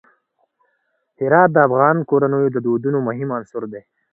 هرات د افغان کورنیو د دودونو مهم عنصر دی.